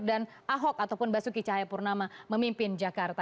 dan ahok ataupun basuki cahaya purnama memimpin jakarta